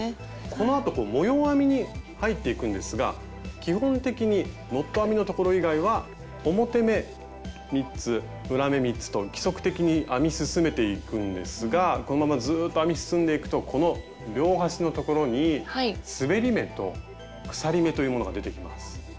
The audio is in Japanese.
このあと模様編みに入っていくんですが基本的にノット編みのところ以外は表目３つ裏目３つと規則的に編み進めていくんですがこのままずっと編み進んでいくとこの両端のところにすべり目と鎖目というものが出てきます。